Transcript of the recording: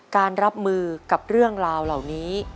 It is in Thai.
การรับมือกับเรื่องราวเหล่านี้